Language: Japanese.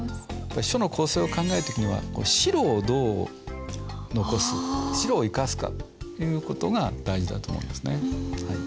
書の構成を考える時には白をどう残す白を生かすかっていう事が大事だと思うんですね。